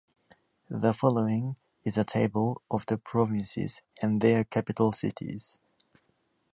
The following is a table of the provinces and their capital cities.